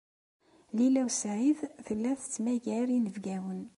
Lila u Saɛid tella tettmagar inebgawen.